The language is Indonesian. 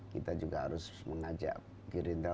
kita juga harus mengajak gerindra